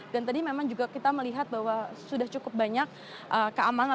dan tadi memang juga kita melihat bahwa sudah cukup banyak keamalan